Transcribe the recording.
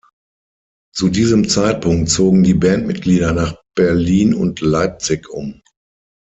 Zu diesem Zeitpunkt zogen die Bandmitglieder nach Berlin und Leipzig um.